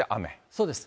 そうです。